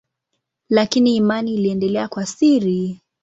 Lakini imani iliendelea kwa siri.